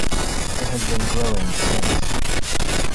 It has been growing since.